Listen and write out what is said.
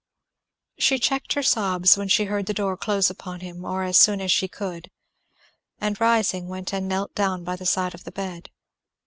She checked her sobs when she heard the door close upon him, or as soon as she could, and rising went and knelt down by the side of the bed.